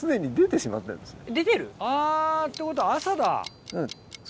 あってことは朝だ。